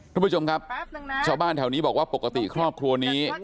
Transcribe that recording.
ทุกผู้ชมครับชาวบ้านแถวนี้บอกว่าปกติครอบครัวนี้